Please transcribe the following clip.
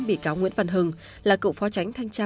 bị cáo nguyễn văn hưng là cựu phó tránh thanh tra